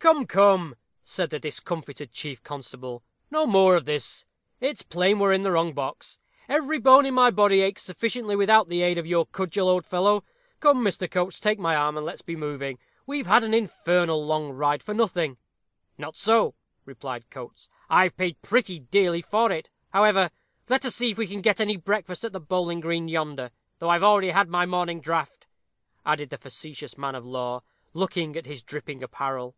"Come, come," said the discomfited chief constable, "no more of this. It's plain we're in the wrong box. Every bone in my body aches sufficiently without the aid of your cudgel, old fellow. Come, Mr. Coates, take my arm, and let's be moving. We've had an infernal long ride for nothing." "Not so," replied Coates; "I've paid pretty dearly for it. However, let us see if we can get any breakfast at the Bowling green, yonder; though I've already had my morning draught," added the facetious man of law, looking at his dripping apparel.